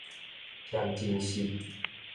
添真實